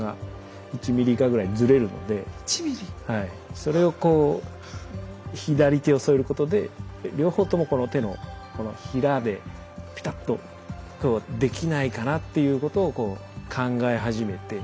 それをこう左手を添えることで両方ともこの手のひらでぴたっとこうできないかなっていうことをこう考え始めて。